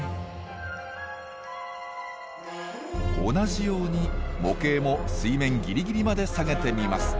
同じように模型も水面ギリギリまで下げてみます。